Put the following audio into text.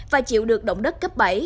và chịu được động đất cấp bảy